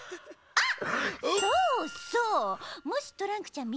あっ。